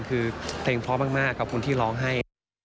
คือเพลงพร้อมมากขอบคุณที่ร้องให้